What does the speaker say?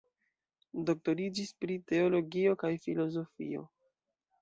Doktoriĝis pri teologio kaj filozofio.